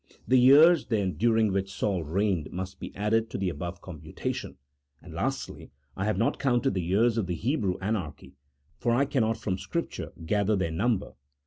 The years, then, during which Saul reigned must be added to the above computation ; and, lastly, I have not counted the years of the Hebrew anarchy, for I cannot from Scrip ture gather their number.